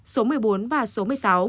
số một mươi bốn và số một mươi sáu